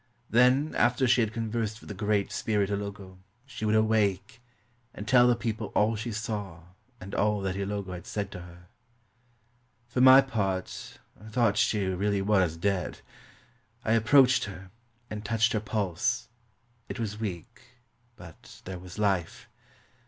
Then, after she had conversed with the great spirit Ilogo, she would awake, and tell the people all she saw and all that Ilogo had said to her. For my part, I thought she really was dead. I ap proached her, and touched her pulse. It was weak, but there was life.